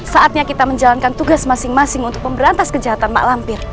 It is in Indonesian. saatnya kita menjalankan tugas masing masing untuk memberantas kejahatan mak lampir